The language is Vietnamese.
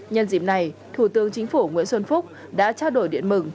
nhân dịp này thủ tướng chính phủ nguyễn xuân phúc đã trao đổi điện mừng